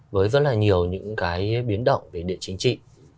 với rất là nhiều những cái biến động về địa chính trị